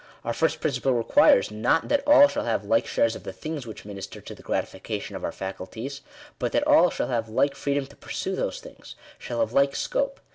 Our first principle requires, not that all shall have like shares of the things which minister to the gratification of the faculties, but that all shall have like freedom to pursue those things — shall have like scope.